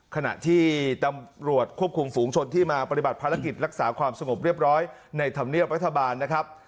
ขณะที่ตำรวจควบคุมฝูงชนที่มาปฏิบัติภารกิจรักษาความสงบเรียบร้อยในธรรมเนียบรัฐบาลนะครับ